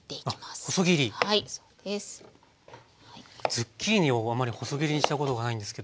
ズッキーニをあんまり細切りにしたことがないんですけど。